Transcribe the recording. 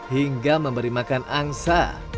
hingga memberi makan angsa